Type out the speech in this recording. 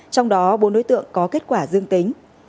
trong đó bốn đối tượng có kết quả dương tính